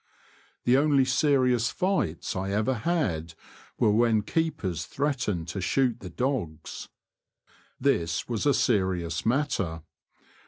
The only serious fights I ever had were when keepers threatened to shoot the dogs. This was a serious matter.